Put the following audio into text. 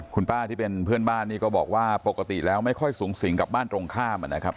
คุณป้าที่เป็นเพื่อนบ้านนี่ก็บอกว่าปกติแล้วไม่ค่อยสูงสิงกับบ้านตรงข้ามนะครับ